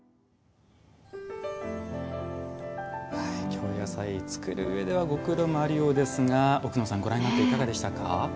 京野菜、作るうえではご苦労もあるようですが奥野さん、ご覧になっていかがでしたか？